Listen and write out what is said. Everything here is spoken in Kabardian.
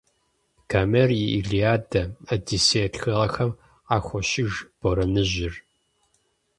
Гомер и «Илиада», «Одиссея» тхыгъэхэм къахощыж борэныжьыр.